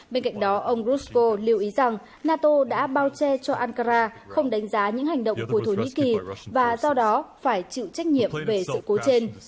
bên cạnh đó ông grusho lưu ý rằng nato đã bao che cho ankara không đánh giá những hành động của thổ nhĩ kỳ và do đó phải chịu trách nhiệm về sự cố trên